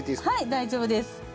はい大丈夫です。